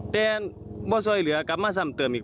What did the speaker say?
แต่ว่าโซ่เหลือกลับมาสามเติมอีก